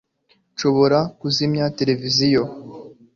nshobora kuzimya televiziyo